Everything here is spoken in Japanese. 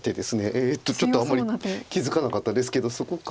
えっとちょっとあんまり気付かなかったですけどそこか。